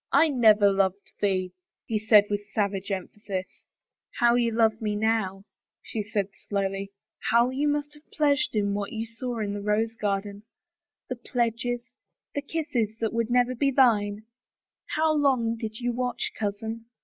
I never loved thee," he said with savage emphasis. How you love me now !" she said slowly. How you must have pleasured in what you saw in the rose garden — the pledges, the kisses that would never be thine. How long did you watch, cousin?